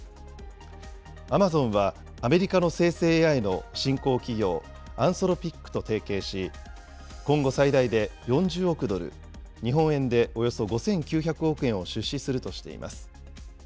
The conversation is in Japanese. アマゾンは、アメリカの生成ＡＩの新興企業、アンソロピックと提携し、今後最大で４０億ドル、日本円でおよそ５９００億円を出資するとしています。